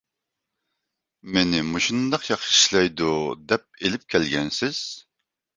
مېنى مۇشۇنداق ياخشى ئىشلەيدۇ دەپ ئېلىپ كەلگەنسىز؟